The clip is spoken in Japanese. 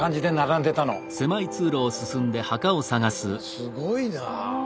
すごいなぁ。